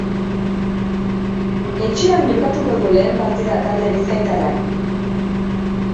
Etxean jokatuko du lehen partida talde bizkaitarrak.